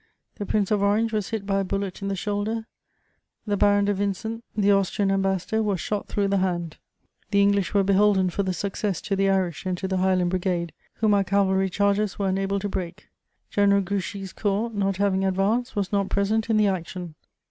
The Prince of Orange was hit by a bullet in the shoulder; the Baron de Vincent, the Austrian Ambassador, was shot through the hand. The English were beholden for the success to the Irish and to the Highland Brigade, whom our cavalry charges were unable to break. General Grouchy's corps, not having advanced, was not present in the action.